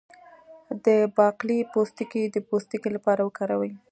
د باقلي پوستکی د پوستکي لپاره وکاروئ